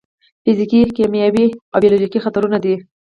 فزیکي، کیمیاوي او بیولوژیکي خطرونه دي.